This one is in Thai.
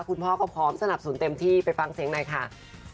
คุณพ่อก็พร้อมสนับสนเต็มที่ไปฟังเสียงหน่อยค่ะ